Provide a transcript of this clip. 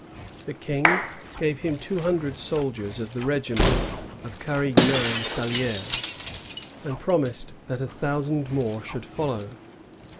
The King gave him two hun dred soldiers of the regiment of Carignan Sali^res, and promised that a thousand more should follow.